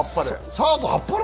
サードにはあっぱれ。